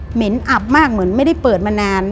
เห็นอับมากเหมือนไม่ได้เปิดมานาน